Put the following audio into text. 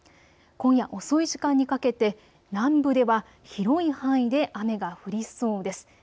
今夜遅い時間にかけて南部では広い範囲で雨が降りそうです。